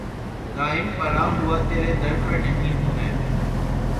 دائم پڑا ہوا تیرے در پر نہیں ہوں میں